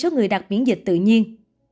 người đặt biển dịch tự nhiên